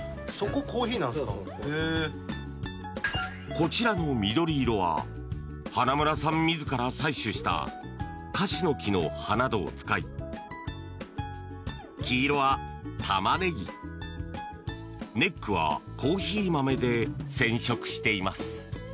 こちらの緑色は花村さん自ら採取したカシの木の葉などを使い黄色はタマネギネックはコーヒー豆で染色しています。